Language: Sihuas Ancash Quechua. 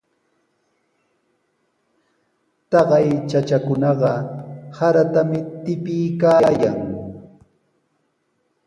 Taqay chachakunaqa saratami tipiykaayan.